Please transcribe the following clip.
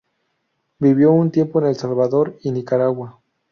Vivió un tiempo en El Salvador y Nicaragua.